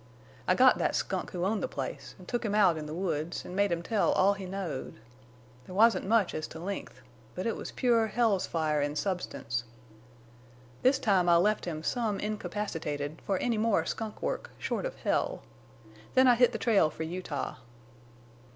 I got that skunk who owned the place, an' took him out in the woods, an' made him tell all he knowed. That wasn't much as to length, but it was pure hell's fire in substance. This time I left him some incapacitated for any more skunk work short of hell. Then I hit the trail for Utah.